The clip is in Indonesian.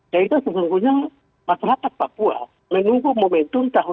jadi itu sesungguhnya masyarakat papua menunggu pembangunan